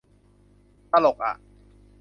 ตลกอะ